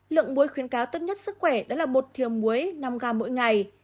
lượng muối khuyến cao tốt nhất sức khỏe đó là một thiều muối năm gram mỗi ngày